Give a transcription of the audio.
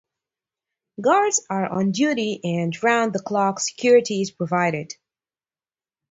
Guards are on duty and round-the-clock security is provided.